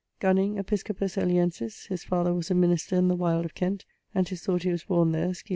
Gunning, episcopus Eliensis; his father was a minister in the Wild of Kent; and 'tis thought he was borne there, scil.